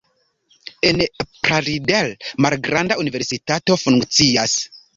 En Plaridel malgranda universitato funkcias.